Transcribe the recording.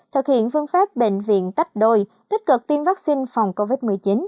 thực hiện phương pháp bệnh viện tách đôi tích cực tiêm vaccine phòng covid một mươi chín